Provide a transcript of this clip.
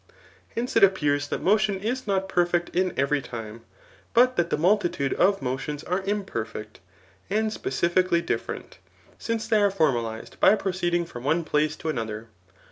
] Hence, it appears that motion is not perfect in every time, but that the muldtude of motions are imperfect, and specific cally different, since they are formalized by proceeding from one place to another.